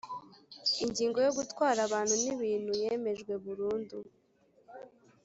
Ingingo yo gutwara abantu n ibintu yemejwe burundu